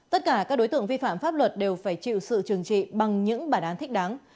tất cả các đối tượng vi phạm pháp luật đều phải chịu sự trừng trị bằng những bản án thích đáng